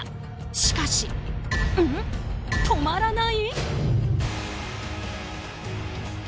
しかし、止まらない？